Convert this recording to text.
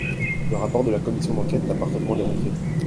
Le rapport de la commission d’enquête l’a parfaitement démontré.